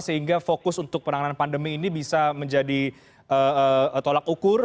sehingga fokus untuk penanganan pandemi ini bisa menjadi tolak ukur